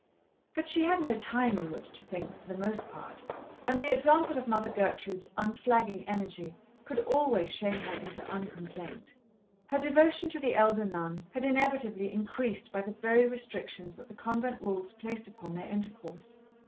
But she had no time in which to think, for the most part, and the example of Mother Gertrude's unflagging energy could always shame her into un complaint. Her devotion to the elder nun had inevitably increased by the very restrictions that the convent rules placed upon their intercourse.